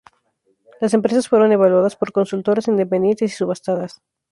Las empresas fueron evaluadas por consultoras independientes y subastadas.